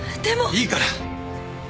いいから